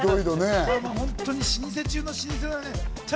本当に老舗中の老舗です。